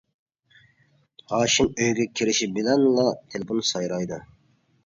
ھاشىم ئۆيگە كىرىشى بىلەنلا تېلېفون سايرايدۇ.